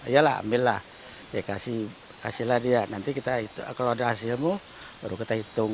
ya lah ambillah kasihlah dia nanti kalau ada hasilmu baru kita hitung